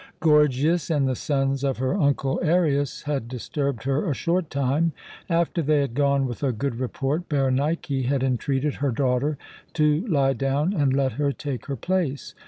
Gorgias and the sons of her uncle Arius had disturbed her a short time. After they had gone with a good report, Berenike had entreated her daughter to lie down and let her take her place.